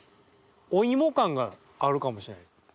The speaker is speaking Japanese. お芋感があるかもしれない。